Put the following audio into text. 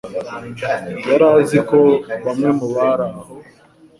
Yari azi ko bamwe mu bari aho,